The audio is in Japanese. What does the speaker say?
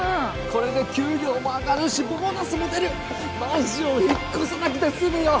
これで給料も上がるしボーナスも出るマンション引っ越さなくて済むよ